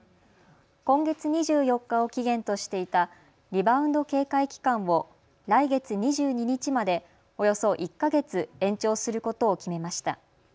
今月２４日を期限としていたリバウンド警戒期間を来月２２日までおよそ１か月延長することを決めました。